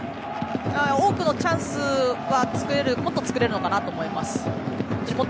多くのチャンスはもっと作れるのかなと思います。